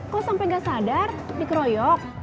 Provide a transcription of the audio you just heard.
kok sampai gak sadar di keroyok